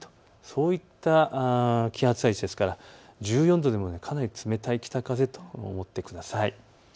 そういった気圧配置ですから１４度でもかなり冷たい北風と思ってください。